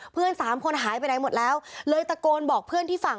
สามคนหายไปไหนหมดแล้วเลยตะโกนบอกเพื่อนที่ฝั่ง